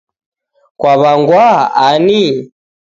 Kwaw'angwa ani?